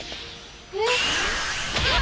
えっ？